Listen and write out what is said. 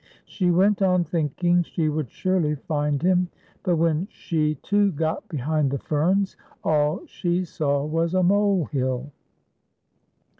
She went on thinking she would surely find him ; but when she, too, got behind the ferns, all she saw was a molehill.